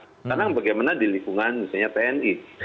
sekarang bagaimana di lingkungan misalnya tni